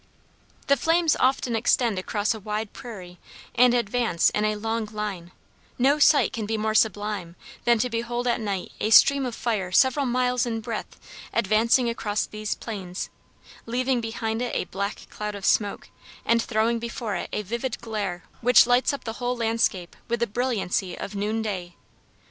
The flames often extend across a wide prairie and advance in a long line; no sight can be more sublime than to behold at night a stream of fire several miles in breadth advancing across these plains, leaving behind it a black cloud of smoke, and throwing before it a vivid glare which lights up the whole landscape with the brilliancy of noonday.